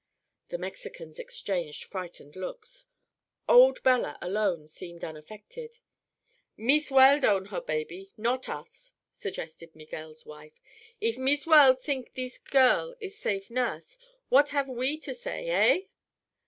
The Mexicans exchanged frightened looks. Old Bella alone seemed unaffected. "Mees Weld own her baby—not us," suggested Miguel's wife. "If Mees Weld theenk thees girl is safe nurse, what have we to say—eh?"